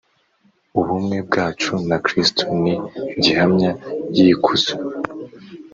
Ubumwe bwacu na Kristo ni gihamya y'ikuzo.